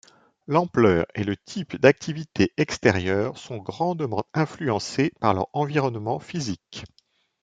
L'ampleur et le type d'activités extérieures sont grandement influencés par leur environnement physique.